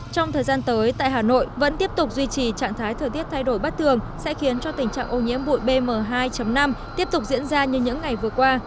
trong thời gian tới tại hà nội vẫn tiếp tục duy trì trạng thái thời tiết thay đổi bắt thường sẽ khiến cho tình trạng ô nhiễm bụi bm hai năm tiếp tục diễn ra như những ngày vừa qua